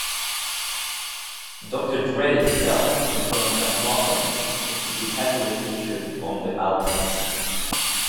Doctor Dre himself confirmed that Martin is to be heavily featured on the album.